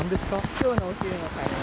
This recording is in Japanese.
きょうのお昼のカレー。